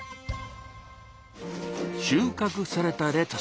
収穫されたレタス